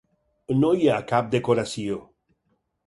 No hi ha cap decoració.